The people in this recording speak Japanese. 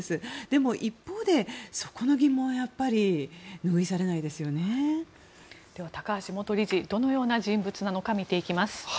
でも、一方でそこの疑問はやっぱり高橋元理事はどのような人物なのか見ていきます。